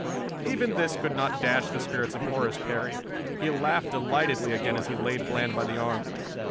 Even this could not dash the spirits of Horace Perry. He laughed delightedly again as he laid Bland by the arm.